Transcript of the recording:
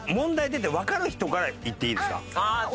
出てわかる人からいっていいですか？